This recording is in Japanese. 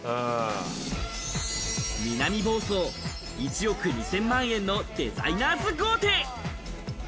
南房総１億２０００万円のデザイナーズ豪邸。